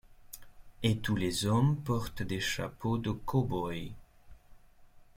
Et tous les hommes portent des chapeaux de cow-boy.